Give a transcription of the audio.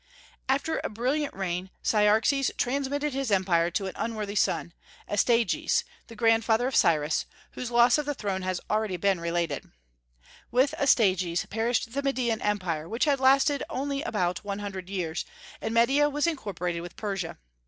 After a brilliant reign, Cyaxares transmitted his empire to an unworthy son, Astyages, the grandfather of Cyrus, whose loss of the throne has been already related. With Astyages perished the Median Empire, which had lasted only about one hundred years, and Media was incorporated with Persia.